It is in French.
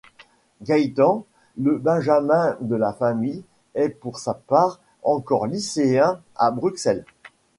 Gaëtan, le benjamin de la famille, est pour sa part encore lycéen à Bruxelles.